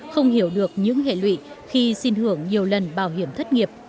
không hiểu được những hệ lụy khi xin hưởng nhiều lần bảo hiểm thất nghiệp